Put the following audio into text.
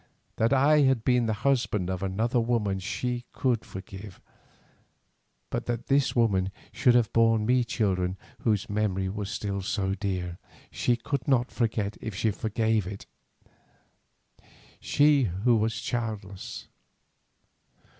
That I had been the husband of another woman she could forgive, but that this woman should have borne me children whose memory was still so dear, she could not forget if she forgave it, she who was childless.